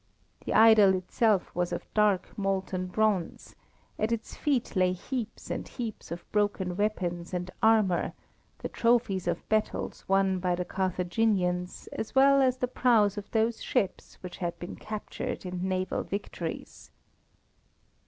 The idol itself was of dark, molten bronze; at its feet lay heaps and heaps of broken weapons and armour, the trophies of battles won by the Carthaginians, as well as the prows of those ships which had been captured in naval victories.